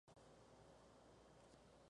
Göteborg ganó la liga esa temporada.